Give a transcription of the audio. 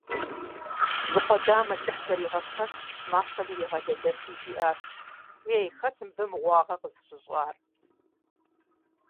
Зы къудамэ кӀыхь зригъэпэщщ, мащэм иригъэлэлэхри жиӀащ: - Ей, хэт мыбы мыгъуагъэ къызыщыщӀар?